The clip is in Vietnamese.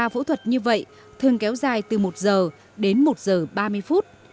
một ca phẫu thuật như vậy thường kéo dài từ một giờ đến một giờ ba mươi phút